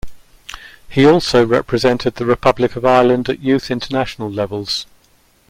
He also represented the Republic of Ireland at youth international levels.